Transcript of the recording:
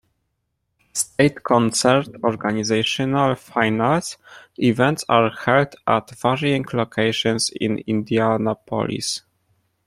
State Concert Organizational Finals events are held at varying locations in Indianapolis.